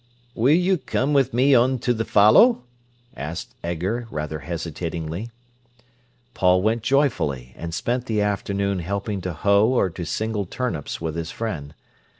"Will you come with me on to the fallow?" asked Edgar, rather hesitatingly. Paul went joyfully, and spent the afternoon helping to hoe or to single turnips with his friend.